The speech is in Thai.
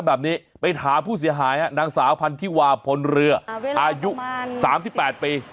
แบบนี้ไปถามผู้เสียหายฮะนางสาวพันธิวาพลเรืออายุ๓๘ปี